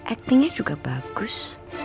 actingnya juga bagus